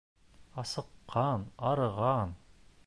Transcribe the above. Асыҡҡан, арыған.